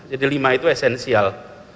jadi lima itu esensial